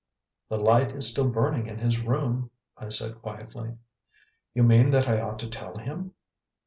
"The light is still burning in his room," I said quietly. "You mean that I ought to tell him?"